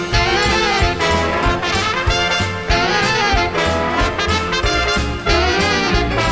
สวัสดีครับ